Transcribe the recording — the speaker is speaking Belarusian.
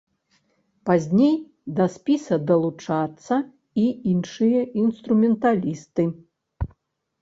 Пазней да спіса далучацца і іншыя інструменталісты.